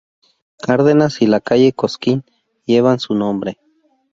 Cárdenas y la calle Cosquín, llevan su nombre.